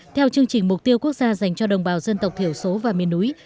theo chương trình mục tiêu quốc gia dành cho đồng bào dân tộc thiểu số và miền núi